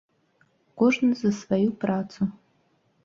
Кожны за сваю працу.